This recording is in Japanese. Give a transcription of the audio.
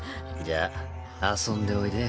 じゃあ遊んでおいで